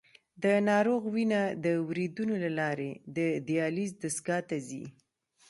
د ناروغ وینه د وریدونو له لارې د دیالیز دستګاه ته ځي.